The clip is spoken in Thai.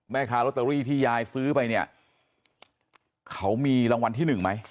แม่ค้ารถตรวจที่ยายซื้อไปเนี่ยเขามีรางวัลที่๑ไหม